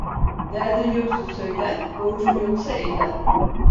Derdin yoksa söylen, borcun yoksa evlen.